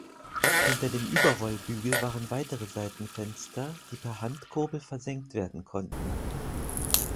Hinter dem Überrollbügel waren weitere Seitenfenster, die per Handkurbel versenkt werden konnten.